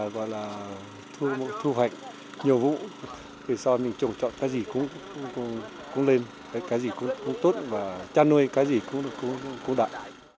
và thu hoạch nhiều vụ vì sao mình chọn cái gì cũng lên cái gì cũng tốt và cha nuôi cái gì cũng đại